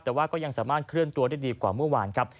แต่ว่าก็ยังสามารถเคลื่อนตัวได้ดีกว่าเมื่อวานครับ